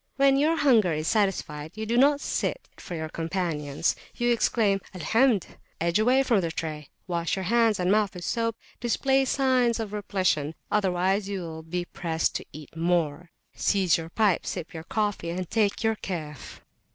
When your hunger is satisfied, you do not sit for your companions; you exclaim Al Hamd! edge away from the tray, wash your hands and mouth with soap, display signs of repletion, otherwise you will be pressed to eat more, seize your pipe, sip your coffee, and take your Kayf.